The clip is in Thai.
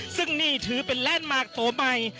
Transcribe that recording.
ซึ่งนี่ถือเป็นแลนด์มาร์คตัวใหม่